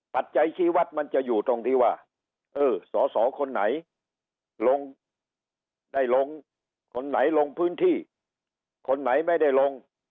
ปัจจัยชี้วัดมันจะอยู่ตรงที่ว่าเออสอสอคนไหนลงได้ลงคนไหนลงพื้นที่คนไหนไม่ได้ลง